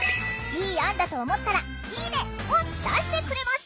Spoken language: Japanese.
いい案だと思ったら「いいね！」を出してくれます！